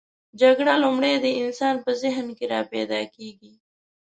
جګړه لومړی د انسان په ذهن کې راپیداکیږي.